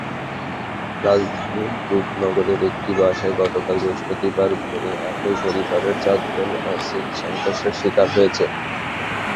রাজধানীর রূপনগরের একটি বাসায় গতকাল বৃহস্পতিবার ভোরে একই পরিবারের চারজন অ্যাসিড-সন্ত্রাসের শিকার হয়েছেন।